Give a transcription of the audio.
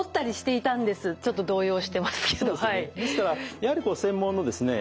ですからやはり専門のですね